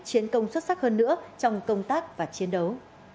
chiến công xuất sắc hơn nữa trong công tác và chiến đấu